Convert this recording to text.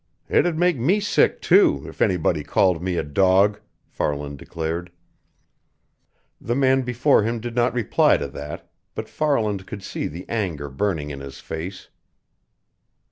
"It'd make me sick, too, if anybody called me a dog," Farland declared. The man before him did not reply to that, but Farland could see the anger burning in his face.